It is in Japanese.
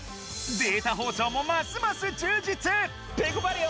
データ放送もますます充実！